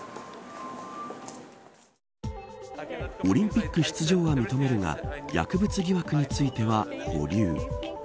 オリンピック出場は認めるが薬物疑惑については保留。